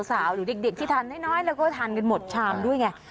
หรือเด็กที่ทานน้อยแล้วก็ทานกันหมดชามด้วยไง